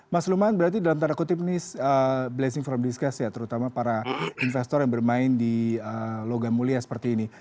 mas lukman berarti dalam tanda kutip nih blessing from discuss ya terutama para investor yang bermain di logam mulia seperti ini